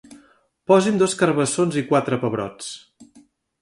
Posi'm dos carbassons i quatre pebrots.